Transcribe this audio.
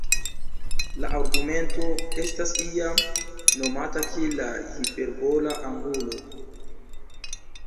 La argumento estas iam nomata kiel la hiperbola angulo.